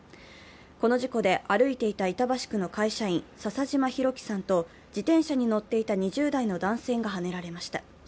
この事故で歩いていた板橋区の会社員、笹嶋弘樹さんと自転車に乗っていた２０代の男性がはねられました。